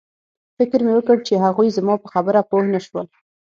فکر مې وکړ چې هغوی زما په خبره پوه نشول